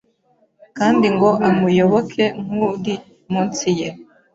kandi ngo amuyoboke nk’uri munsi ye,